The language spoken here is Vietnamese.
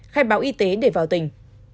khai báo y tế để vào tỉnh